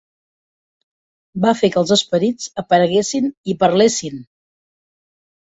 Va fer que els esperits apareguessin i parlessin!